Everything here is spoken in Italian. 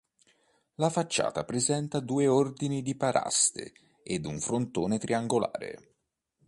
La facciata presenta due ordini di paraste ed un frontone triangolare.